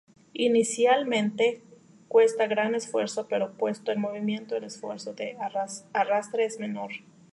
Inicialmente, cuesta gran esfuerzo, pero puesto en movimiento, el esfuerzo de arrastre es menor.